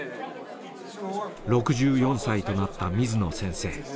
６４歳となった水野先生。